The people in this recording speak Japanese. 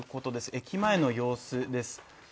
駅前の様子です。